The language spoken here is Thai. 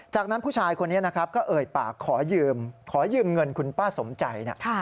จากนั้นผู้ชายคนนี้ก็เอ่ยปากขอยืมเงินคุณป้าสมชัย